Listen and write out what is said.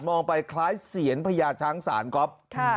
องไปคล้ายเสียนพญาช้างศาลก๊อฟ